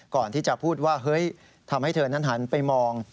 ก่อนที่จะพูดว่าเฮ้ยทำให้เธอนั้นหันไปมอง